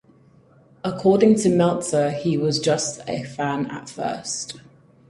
According to Meltzer, he was just a fan at first.